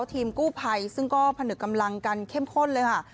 ทีมกู้ภัยซึ่งก็ผนึกกำลังกันเข้มข้นเลยค่ะ